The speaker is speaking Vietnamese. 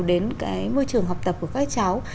đến cái môi trường học tập của các cháu